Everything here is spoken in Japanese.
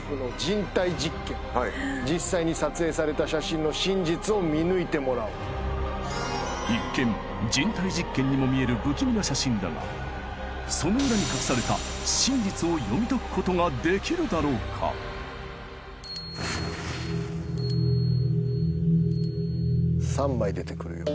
実際に撮影された一見人体実験にも見える不気味な写真だがその裏に隠された真実を読み解くことができるだろうか３枚出てくるよ